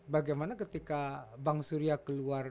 bagaimana ketika bang surya keluar